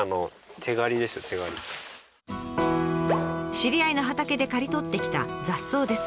知り合いの畑で刈り取ってきた雑草です。